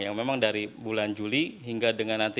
yang memang dari bulan juli hingga dengan nanti